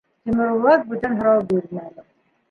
Тимербулат бүтән һорау бирмәне.